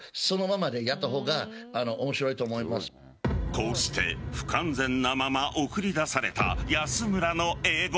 こうして不完全なまま送り出された安村の英語。